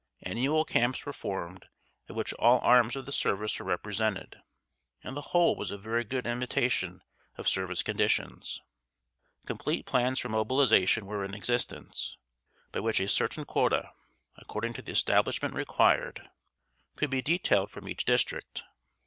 Annual camps were formed at which all arms of the service were represented, and the whole was a very good imitation of service conditions. Complete plans for mobilization were in existence, by which a certain quota, according to the establishment required, could be detailed from each district.